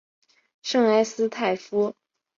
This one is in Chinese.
圣埃斯泰夫。